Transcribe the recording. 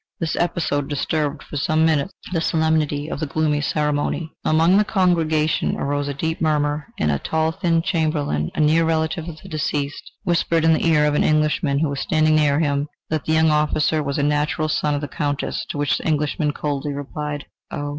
This episode disturbed for some minutes the solemnity of the gloomy ceremony. Among the congregation arose a deep murmur, and a tall thin chamberlain, a near relative of the deceased, whispered in the ear of an Englishman who was standing near him, that the young officer was a natural son of the Countess, to which the Englishman coldly replied: "Oh!"